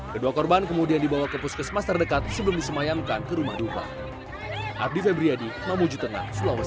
kedua korban kemudian dibawa ke puskesmas terdekat sebelum disemayamkan ke rumah duka